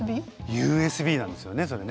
ＵＳＢなんですよねそれね。